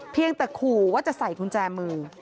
เพียงแต่ขู่ว่าจะใส่กุญแจมือ